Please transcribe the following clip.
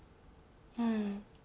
うん。